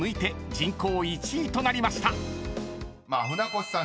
［船越さん